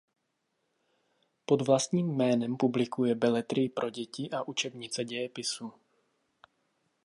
Pod vlastním jménem publikuje beletrii pro děti a učebnice dějepisu.